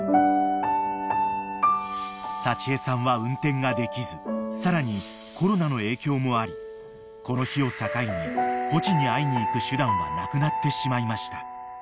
［幸枝さんは運転ができずさらにコロナの影響もありこの日を境にポチに会いに行く手段はなくなってしまいました］